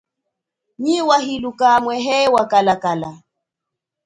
Nyi wa hiluka mwehe wa kalakala.